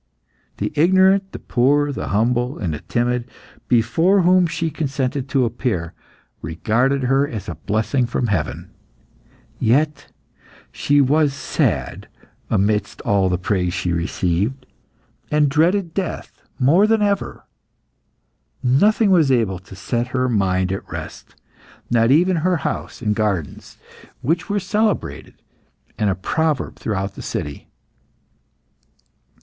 The ignorant, the poor, the humble, and the timid before whom she consented to appear, regarded her as a blessing from heaven. Yet she was sad amidst all the praise she received, and dreaded death more than ever. Nothing was able to set her mind at rest, not even her house and gardens, which were celebrated, and a proverb throughout the city.